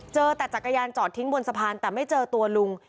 เจอแต่จักรยานจอดทิ้งบนสะพานแต่ไม่เจอตัวลุง